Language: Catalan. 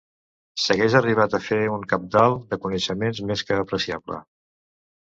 ...s'hagués arribat a fer un cabdal de coneixements més que apreciable.